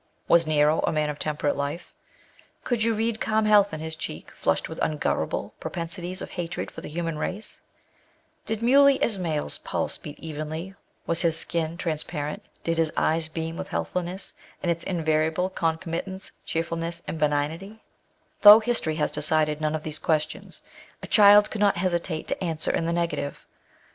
17 Was Nero a man of temperate life 1 Could you read calm health in his cheek, flushed with ungovernable propensities of hatred for the human race 1 Did Muley Ismaers pulse beat evenly, was his skin transparent, did his eyea beam with healthfulness, and its invariable concomitants, cheer fulness and benignity 1 Though history has decided none of these questions, a child could not hesitate to answer in the negative.